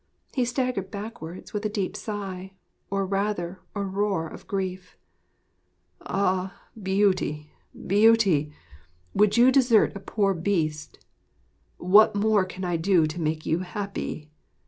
He staggered backwards with a deep sigh, or rather, a roar of grief. 'Ah, Beauty, Beauty! Would you desert a poor Beast? What more can I do to make you happy?